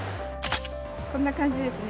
こんな感じですね。